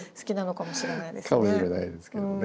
かもしれないですけどね。